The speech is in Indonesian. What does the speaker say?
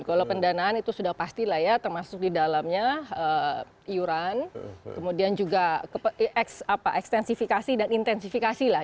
kalau pendanaan itu sudah pasti lah ya termasuk di dalamnya iuran kemudian juga ekstensifikasi dan intensifikasi lah